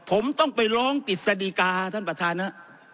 ผมต้องไปร้องกฤษฎิกาท่านประธานฮะ